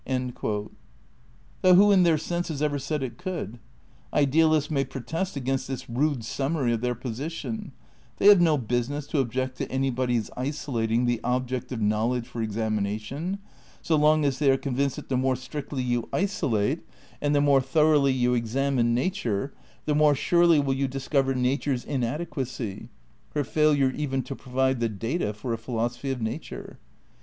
* Though who in their senses ever said it could ? Ideal ists may protest against this rude summary of their position; they have no business to object to anybody's isolating the "object of knowledge" for examination, so long as they are convinced that the more strictly you isolate and the more thoroughly you examine nature, the more surely will you discover nature 's inadequacy, her failure even to provide the data for a philosophy of nature.